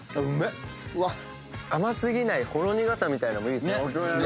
甘過ぎないほろ苦さみたいのもいいですね。